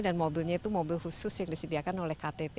dan mobilnya itu mobil khusus yang disediakan oleh ktt